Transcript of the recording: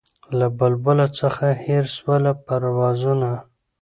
له بلبله څخه هېر سول پروازونه